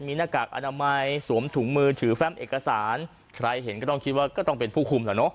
มีหน้ากากอนามัยสวมถุงมือถือแฟมเอกสารใครเห็นก็ต้องคิดว่าก็ต้องเป็นผู้คุมแล้วเนอ